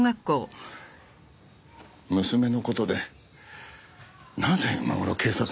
娘の事でなぜ今頃警察が。